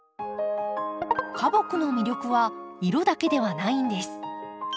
花木の魅力は色だけではないんです。